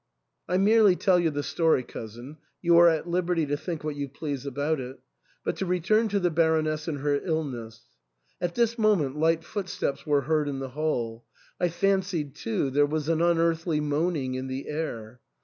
I merely tell you the story, cousin ; you are at liberty to think what you please about it But to return to the Baroness and her illness " At this moment light footsteps were heard in the hall ; I fan cied, too, there was an unearthly moaning in the air.